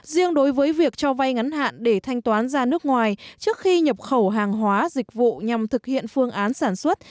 riêng đối với việc cho vay ngắn hạn để thanh toán ra nước ngoài trước khi nhập khẩu hàng hóa dịch vụ nhằm thực hiện phương án sản xuất